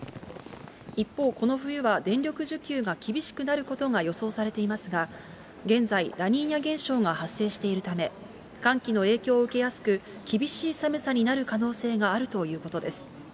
一方、この冬は電力需給が厳しくなることが予想されていますが、現在、ラニーニャ現象が発生しているため、寒気の影響を受けやすく、厳しい寒さになる可能性があるということです。